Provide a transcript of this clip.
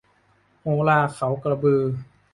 โหราเขากระบือ